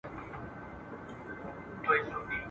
دونه پوچ کلمات ..